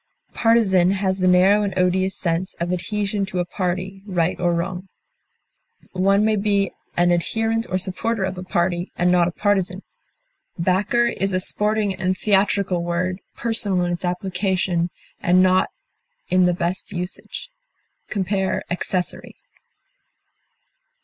Partisan has the narrow and odious sense of adhesion to a party, right or wrong. One may be an adherent or supporter of a party and not a partisan. Backer is a sporting and theatrical word, personal in its application, and not in the best usage. Compare ACCESSORY.